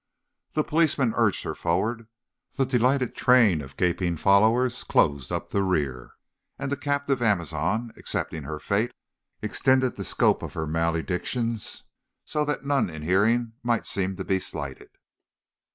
The policemen urged her forward; the delighted train of gaping followers closed up the rear; and the captive Amazon, accepting her fate, extended the scope of her maledictions so that none in hearing might seem to be slighted.